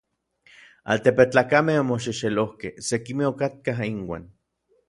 Altepetlakamej omoxexelojkej: sekimej okatkaj inuan.